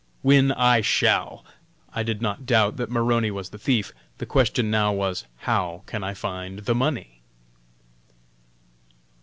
Win, I shall!" I did not doubt that Maroney was the thief. The question now was How can I find the money?